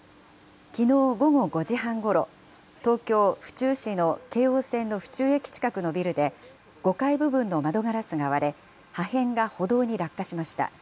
きのう午後５時半ごろ東京、府中市の京王線の府中駅近くのビルで５階部分の窓ガラスが割れ破片が歩道に落下しました。